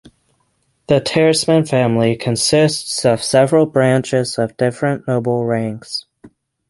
The Tersmeden family consists of several branches of different noble ranks.